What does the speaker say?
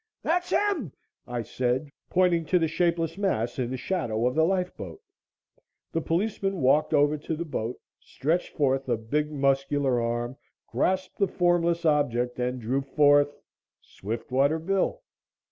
"That's him!" I said, pointing at the shapeless mass in the shadow of the lifeboat. The policeman walked over to the boat, stretched forth a big muscular arm, grasped the formless object and drew forth Swiftwater Bill.